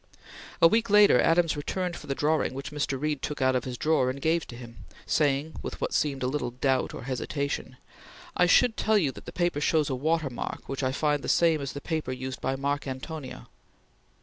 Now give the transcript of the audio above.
A week later, Adams returned for the drawing, which Mr. Reed took out of his drawer and gave him, saying with what seemed a little doubt or hesitation: "I should tell you that the paper shows a water mark, which I find the same as that of paper used by Marc Antonio."